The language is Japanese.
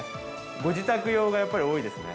ご自宅用がやっぱり多いですね。